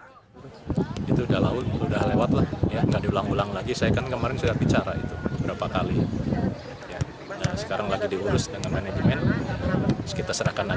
kondisi ini pun sempat membuat kecewa para pemain dan ofisial bali united di stadion kapten iwa yandipta